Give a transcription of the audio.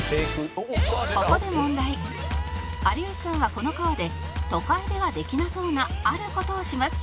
「ここで問題」「有吉さんはこの川で都会ではできなそうなある事をします」